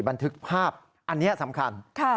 บันทึกภาพอันนี้สำคัญ